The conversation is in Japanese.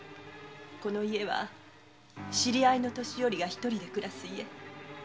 この家は知り合いの年寄りが独りで暮らす家。